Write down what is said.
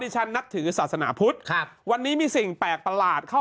ฉันนับถือศาสนาพุทธครับวันนี้มีสิ่งแปลกประหลาดเข้า